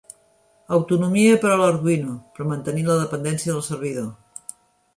Autonomia per a l'Arduino, però mantenint la dependència del servidor.